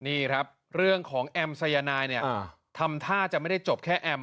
นี่ครับเรื่องของแอมสายนายเนี่ยทำท่าจะไม่ได้จบแค่แอม